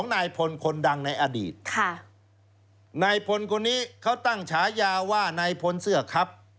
ในผลคนนี้เขาตั้งฉายาว่าในผลเสื้อครับ